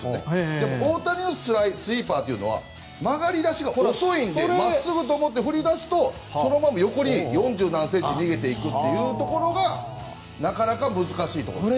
でも大谷のスイーパーは曲がりだしが遅いのでまっすぐと思って振り出すとそのまま横に四十何センチ逃げていくというところがなかなか難しいところです。